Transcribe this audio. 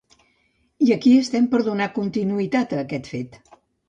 I aquí estem per donar continuïtat a aquest fet.